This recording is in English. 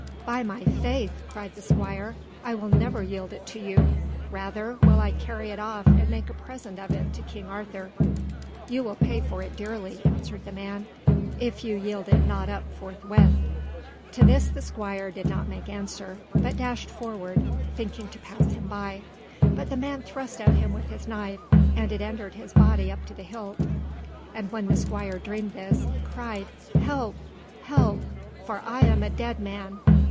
"By my faith!" cried the squire, "I will never yield it to you! Rather, will I carry it off and make a present of it to King Arthur." "You will pay for it dearly," answered the man, "if you yield it not up forthwith." To this the squire did not make answer, but dashed forward, thinking to pass him by; but the man thrust at him with his knife, and it entered his body up to the hilt. And when the squire dreamed this, he cried, "Help! help! for I am a dead man!"